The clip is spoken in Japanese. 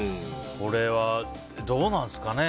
これはどうなんですかね。